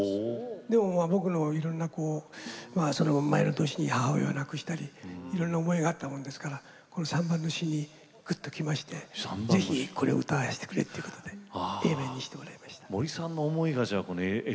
でも、僕のいろんな前の年に母親を亡くしたりいろいろな思いがあったもんですから３番の詞に、ぐっときましてぜひ、これを歌わせてくれということでＡ面にさせてもらいました。